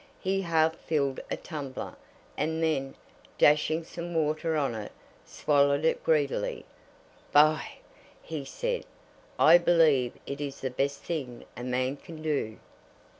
He half filled a tumbler, and then, dashing some water on it, swallowed it greedily. "By !" he said, "I believe it is the best thing a man can do."